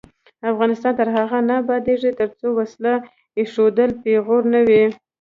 افغانستان تر هغو نه ابادیږي، ترڅو وسله ایښودل پیغور نه وي.